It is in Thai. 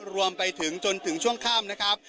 รวมไปถึงจนถึงช่วงข้ามนะครับ